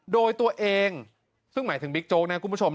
โดยตัวเองซึ่งหมายถึงบิ๊กโจ๊กนะคุณผู้ชม